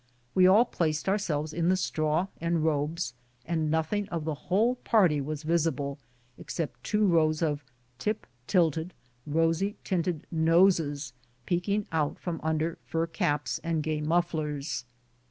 "We all placed ourselves in the straw and robes, and nothing of the whole party was visible except two rows of " tip tilt ed," rosy tinted noses peeping out from under fur caps 114 BOOTS AND SADDLES. and gay mufflers.